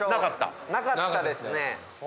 なかったです。